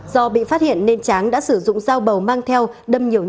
do bị phát hiện nên tráng đã sử dụng dao bầu mang theo đâm nhiều nhát khiến cả hai người tử vong